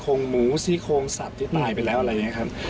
งหมูซี่โครงสัตว์ที่ตายไปแล้วอะไรอย่างนี้ครับ